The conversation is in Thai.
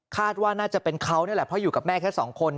ว่าน่าจะเป็นเขานี่แหละเพราะอยู่กับแม่แค่สองคน